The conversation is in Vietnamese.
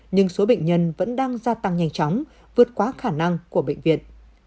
nhưng số bệnh nhân vẫn đang gia tăng nhanh chóng vượt qua khả năng của bệnh viện